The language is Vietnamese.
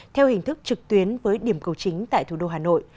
theo hình thức trực tuyến với điểm cầu chính tại thủ đô hà nội